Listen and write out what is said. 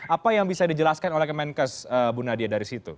apa yang bisa dijelaskan oleh kemenkes bu nadia dari situ